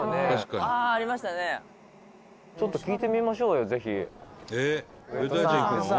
「ちょっと聞いてみましょうよぜひ」「上戸さん！」